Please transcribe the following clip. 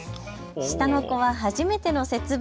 下の子は初めての節分。